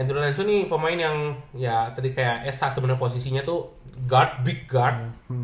andrew lansun ini pemain yang tadi kayak sa sebenernya posisinya tuh guard big guard